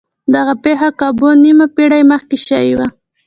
دغه پېښه کابو نيمه پېړۍ مخکې شوې وه.